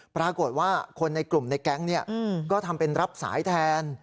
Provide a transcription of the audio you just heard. ปรากฏว่าคนในกลุ่มในแก๊งก็ทำเป็นรับสายแทน